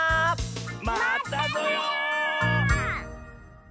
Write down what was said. またぞよ！